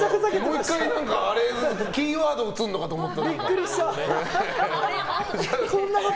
もう１回キーワード映るのかと思った。